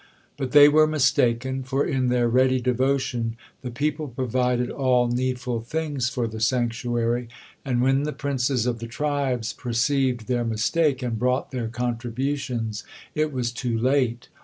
But they were mistaken, for in their ready devotion the people provided all needful things for the sanctuary, and when the princes of the tribes perceived their mistake and brought their contributions, it was too late.